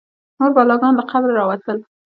نور بلاګان له قبرونو راوتل.